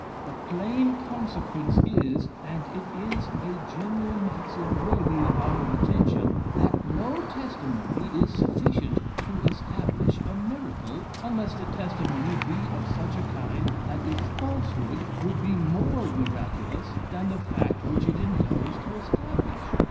The plain consequence is (and it is a general maxim worthy of our attention,) 'That no testimony is sufficient to establish a miracle, unless the testimony be of such a kind that its falsehood would be more miraculous than the fact which it endeavors to establish.